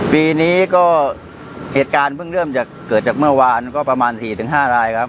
ปีนี้ก็เหตุการณ์เพิ่งเริ่มจะเกิดจากเมื่อวานก็ประมาณ๔๕รายครับ